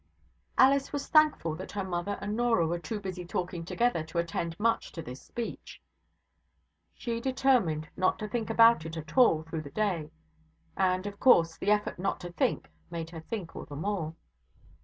Alice was thankful that her mother and Norah were too busy talking together to attend much to this speech. She determined not to think about it at all through the day; and, of course, the effort not to think made her think all the more.